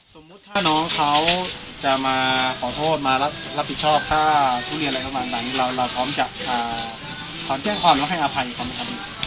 สมมุติถ้าน้องเขาจะมาขอโทษมารับผิดชอบค่าทุเรียนอะไรประมาณนั้นเราพร้อมจะขอแจ้งความแล้วให้อภัยเขาไหมครับ